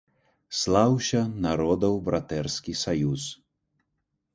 Слаўся, народаў братэрскі саюз!